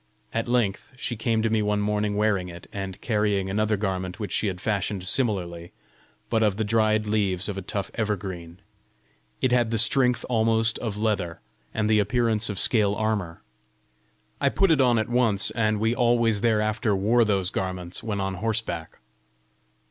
At length she came to me one morning wearing it, and carrying another garment which she had fashioned similarly, but of the dried leaves of a tough evergreen. It had the strength almost of leather, and the appearance of scale armour. I put it on at once, and we always thereafter wore those garments when on horseback.